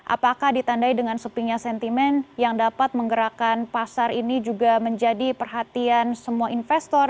apakah ditandai dengan sepinya sentimen yang dapat menggerakkan pasar ini juga menjadi perhatian semua investor